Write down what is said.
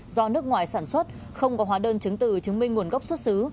do nước ngoài sản xuất không có hóa đơn chứng từ chứng minh nguồn gốc xuất xứ